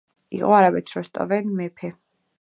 იყო არაბეთს როსტევან მეფე.